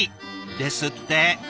ですって。